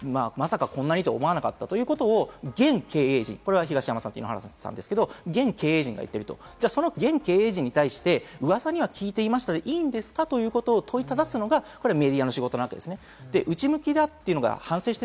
まさかこんなにとは思わなかったということを現経営陣、東山さんと井ノ原さんですけれども，２人が言っていると現経営陣に対してうわさには聞いていましたでいいんですか？ということを問いただすのがメディアの仕事なわけです。